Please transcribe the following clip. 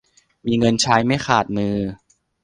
มีเงินใช้ไม่ขาดมือ